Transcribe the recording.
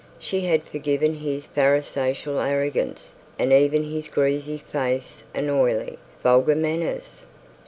She had forgiven his pharisaical arrogance, and even his greasy face and oily vulgar manners.